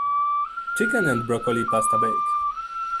Chicken and broccoli pasta bake.